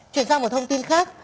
chuyển sang một thông tin khác